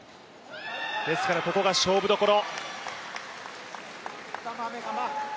ですからここが勝負どころ。